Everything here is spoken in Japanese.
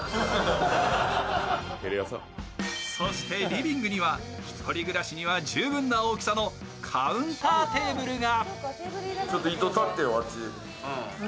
リビングには、１人暮らしには十分な大きさのカウンターテーブルが。